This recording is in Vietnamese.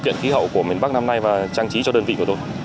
chăm sóc kỹ hậu của miền bắc năm nay và trang trí cho đơn vị của tôi